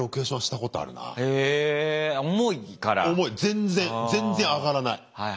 全然全然上がらない。